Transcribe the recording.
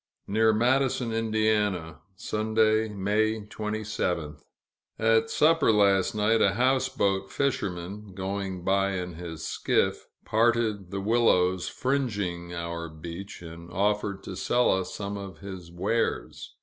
Near Madison, Ind., Sunday, May 27th. At supper last night, a houseboat fisherman, going by in his skiff, parted the willows fringing our beach, and offered to sell us some of his wares.